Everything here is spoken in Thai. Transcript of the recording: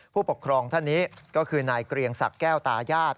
ผู้ปกครองท่านนี้ก็คือนายเกรียงศักดิ์แก้วตายาศ